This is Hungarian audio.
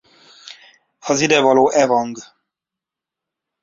Az idevaló evang.